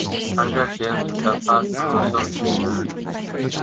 Under James the First Monson thrived.